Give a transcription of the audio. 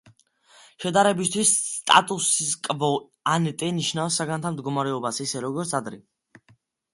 შედარებისთვის „სტატუს-კვო ანტე“ ნიშნავს საგანთა მდგომარეობას ისე, როგორც იყო ადრე.